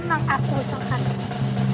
menang aku sokak